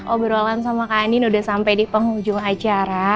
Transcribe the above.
obrolan sama kak andien udah sampai di penghujung acara